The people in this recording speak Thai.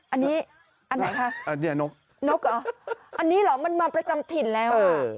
อันนี้อันไหนคะนกอ๋อนี่เหรอมันมาประจำถิ่นแล้ว